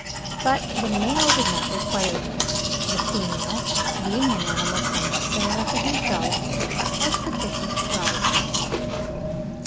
But the male did not require this, the female being an animal somewhat similar to himself, was sufficient to rouse him."